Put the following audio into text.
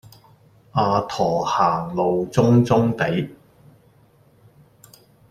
阿駝行路中中地